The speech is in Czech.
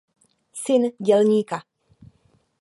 Syn dělníka.